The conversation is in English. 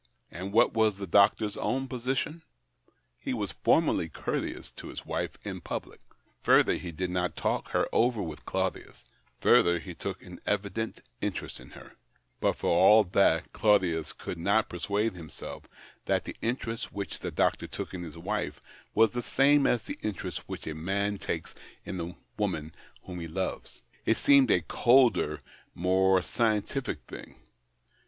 And what was the doctor's own position ? He was formally courteous to his wife in public ; further, he did not talk her over with Claudius ; further, he took an evident interest in her. But, for all that, Claudius THE OCTAVE OF CLAUDIUS. 65 could not persuade liimself that tlie interest which the doctor took in his wife was the same as the interest which a man takes in the woman whom he loves ; it seemed a colder, more scientific, thing.